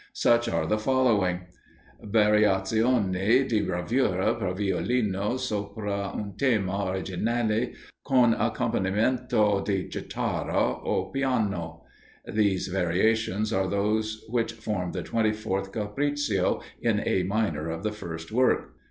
Such are the following: "Variazioni di bravura per Violino sopra un tema originale, con accompagnamento di Chitarra o Piano." These variations are those which form the twenty fourth capriccio (in A minor) of the first work.